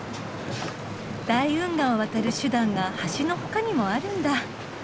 大運河を渡る手段が橋の他にもあるんだ。